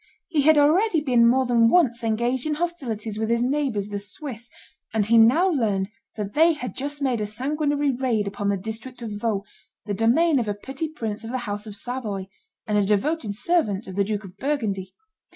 He had already been more than once engaged in hostilities with his neighbors the Swiss; and he now learned that they had just made a sanguinary raid upon the district of Vaud, the domain of a petty prince of the house of Savoy, and a devoted servant of the Duke of Burgundy.